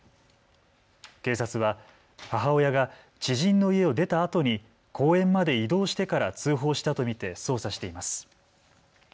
警察は母親が知人の家を出たあとに公園まで移動してから通報したと見て捜査しています。